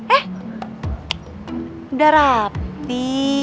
eh udah rapi